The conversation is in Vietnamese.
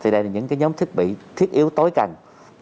đây là những nhóm thiết bị thiết yếu tối cần